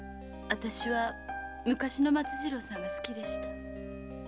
私は昔の松次郎さんが好きでした。